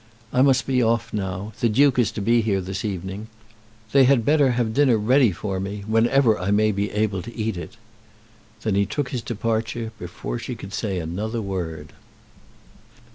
I must be off now. The Duke is to be here this evening. They had better have dinner ready for me whenever I may be able to eat it." Then he took his departure before she could say another word.